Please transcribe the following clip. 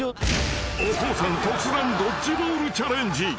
［お父さん突然ドッジボールチャレンジ］